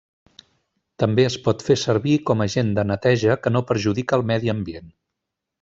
També es pot fer servir com agent de neteja que no perjudica el medi ambient.